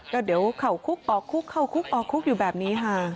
ก็เดี๋ยวเข้าคุกออกคุกเข้าคุกออกคุกอยู่แบบนี้ค่ะ